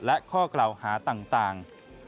และข้อกล่าวหาต่าง